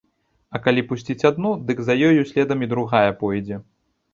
А калі пусціць адну, дык за ёю следам і другая пойдзе.